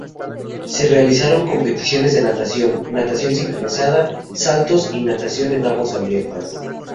Se realizaron competiciones de natación, natación sincronizada, saltos y natación en aguas abiertas.